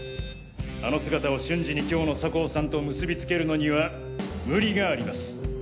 あの姿を瞬時に今日の酒匂さんと結びつけるのには無理があります。